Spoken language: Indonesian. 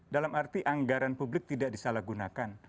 dalam arti anggaran publik tidak disalahgunakan